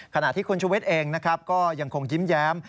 ขณะที่คุณชูวิทย์เองก็ยังคงยิ้มแย้ม